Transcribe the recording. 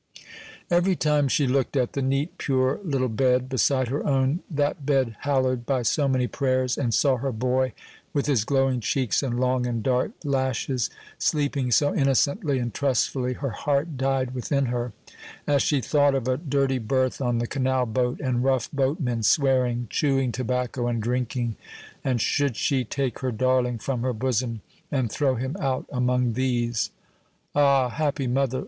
Every time she looked at the neat, pure little bed, beside her own, that bed hallowed by so many prayers, and saw her boy, with his glowing cheeks and long and dark lashes, sleeping so innocently and trustfully, her heart died within her, as she thought of a dirty berth on the canal boat, and rough boatmen, swearing, chewing tobacco, and drinking; and should she take her darling from her bosom and throw him out among these? Ah, happy mother!